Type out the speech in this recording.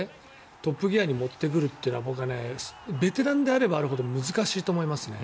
トップギアに持ってくるというのはベテランであればあるほど難しいと思いますね。